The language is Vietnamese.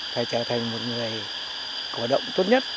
phải trở thành một người cổ động tốt nhất